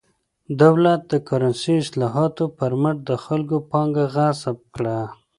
دولت د کرنسۍ اصلاحاتو پر مټ د خلکو پانګه غصب کړه.